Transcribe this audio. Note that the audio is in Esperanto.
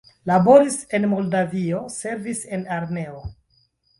Laboris en Moldavio, servis en armeo.